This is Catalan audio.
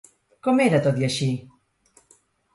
Com era, tot i així?